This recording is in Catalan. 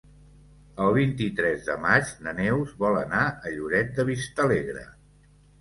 El vint-i-tres de maig na Neus vol anar a Lloret de Vistalegre.